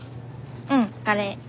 うんカレー。